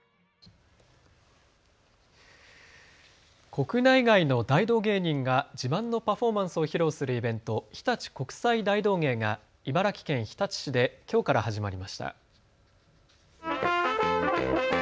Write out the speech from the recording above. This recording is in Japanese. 国内外の大道芸人が自慢のパフォーマンスを披露するイベント、ひたち国際大道芸が茨城県日立市できょうから始まりました。